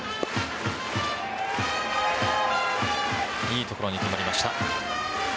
いい所に決まりました。